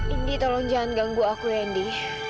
indy tolong jangan ganggu aku ya indy